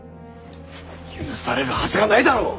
許されるはずがないだろう！